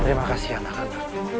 terima kasih anak anak